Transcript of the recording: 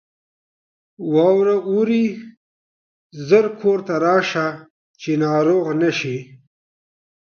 واوره اوري ! ژر کورته راسه ، چې ناروغ نه سې.